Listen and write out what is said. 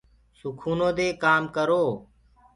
سُکونو دي ڪآم ڪرو۔